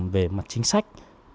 về mặt chính sách